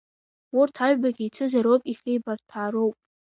Урҭ аҩбагьы еицызароуп, ихеибарҭәаароуп.